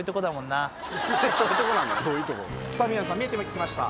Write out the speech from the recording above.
みやぞんさん見えてきました。